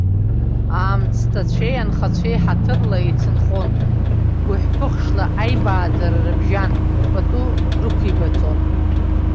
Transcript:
Аамсҭцәеи анхацәеи ҳаҭырла еицынхон, гәыҳәԥыхшла аибааӡара рыбжьан, пату рықәеибаҵон.